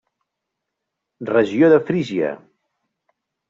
Regió de Frígia.